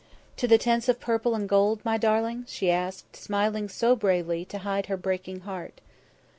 "To the Tents of Purple and Gold, my darling?" she asked, smiling so bravely to hide her breaking heart.